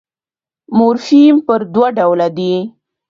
مورفیم پر دوه ډوله دئ.